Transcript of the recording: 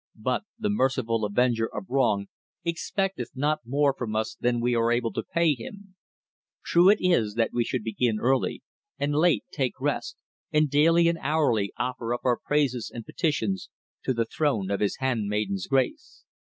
But the merciful Avenger of Wrong expecteth not more from us than we are able to pay him. True it is that we should begin early, and late take rest, and daily and hourly offer up our praises and petitions to the throne of his handmaiden's grace.